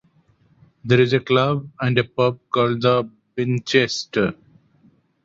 There is a club and a pub called the Binchester.